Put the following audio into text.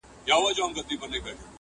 کورنۍ پرېکړه کوي د شرم له پاره